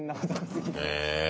へえ。